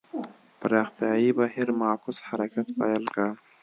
پراختیايي بهیر معکوس حرکت پیل کړ.